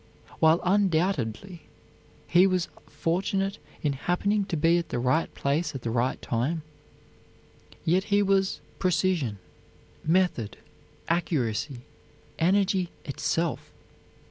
While undoubtedly he was fortunate in happening to be at the right place at the right time, yet he was precision, method, accuracy, energy itself.